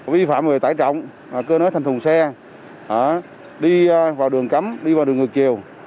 vi phạm về tải trọng cơ nối thành thùng xe đi vào đường cấm đi vào đường ngược chiều